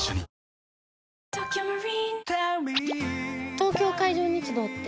東京海上日動って？